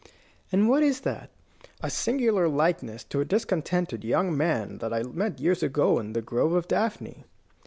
"And what is that?" "A singular likeness to a discontented young man that I met some years ago in the Grove of Daphne."